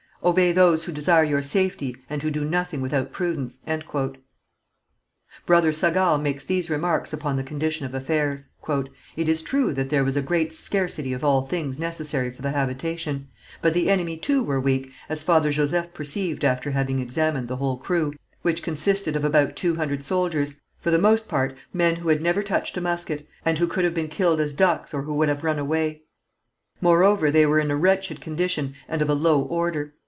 Obey those who desire your safety and who do nothing without prudence." Brother Sagard makes these remarks upon the condition of affairs: "It is true that there was a great scarcity of all things necessary for the habitation, but the enemy, too, were weak, as Father Joseph perceived after having examined the whole crew, which consisted of about two hundred soldiers, for the most part, men who had never touched a musket, and who could have been killed as ducks or who would have run away. Moreover they were in a wretched condition, and of a low order.